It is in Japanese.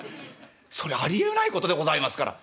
それありえないことでございますから」。